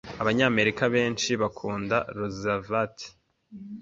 Abanyamerika benshi bakunda Roosevelt.